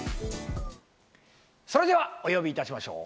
それではお呼びいたしましょう。